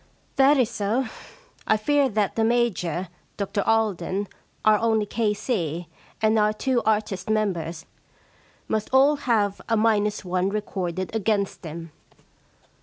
* That is so. I fear that the Major, Dr Alden, our only K.C., and our two artist members must all have a minus one recorded against them.